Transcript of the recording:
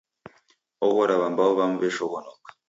Oghora w'ambao w'amu w'eshoghonoka.